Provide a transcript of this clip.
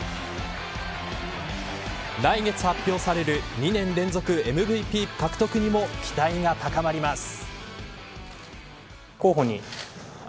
来月発表される２年連続ＭＶＰ獲得にも期待が高まります。